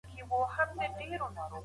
اسکیمو یان له یونانیانو سره توپیر لري.